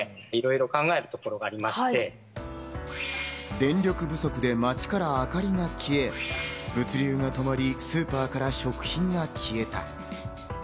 電力不足で街から明かりが消え、物流が止まり、スーパーから食品が消えた。